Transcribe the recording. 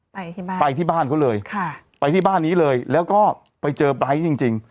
ไปที่บ้านไปที่บ้านเขาเลยค่ะไปที่บ้านนี้เลยแล้วก็ไปเจอไบร์ทจริงจริง